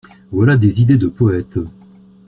Voilà des idées de poète.